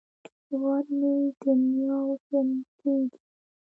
هیواد مې د نیاوو شملې دي